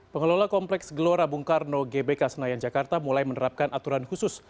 pengelola kompleks gelora bung karno gbk senayan jakarta mulai menerapkan aturan khusus